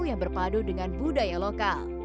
yang berpadu dengan budaya lokal